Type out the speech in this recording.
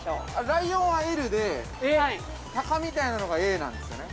◆ライオンはＬでタカみたいなのがＡなんですよね。